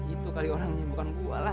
itu kali orangnya bukan gue lah